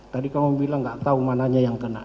tadi kamu bilang gak tau mananya yang kena